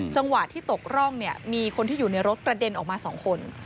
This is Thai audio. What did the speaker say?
จังหวะที่ตกร่องเนี่ยมีคนที่อยู่ในรถกระเด็นออกมา๒คน